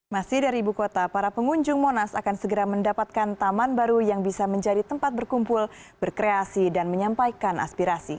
masih dari ibu kota para pengunjung monas akan segera mendapatkan taman baru yang bisa menjadi tempat berkumpul berkreasi dan menyampaikan aspirasi